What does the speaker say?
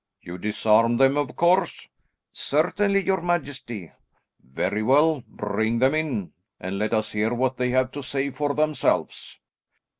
"You disarmed them, of course?" "Certainly, your majesty." "Very well; bring them in and let us hear what they have to say for themselves."